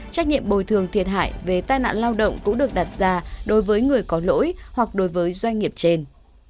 trách nhiệm bồi thường thiệt hại về tai nạn lao động cũng được đặt ra đối với người có lỗi hoặc đối với doanh nghiệp trên